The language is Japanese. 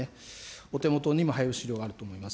お手元にも配布資料があると思います。